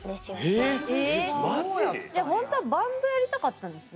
ええ！じゃあほんとはバンドやりたかったんですね？